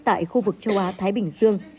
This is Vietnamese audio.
tại khu vực châu á thái bình dương